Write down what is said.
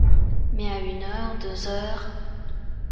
Mais à une heure, deux heures...